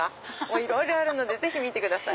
いろいろあるので見てください。